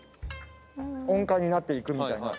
音階になっていくみたいな。